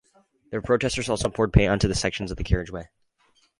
The protesters also poured paint onto sections of the carriageway.